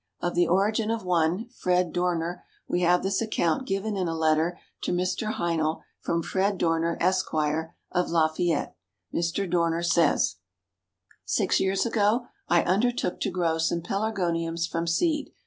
Of the origin of one, Fred Dorner, we have this account given in a letter to Mr. Heinl, from Fred Dorner, Esq., of Lafayette. Mr. Dorner says: "Six years ago I undertook to grow some Pelargoniums from seed.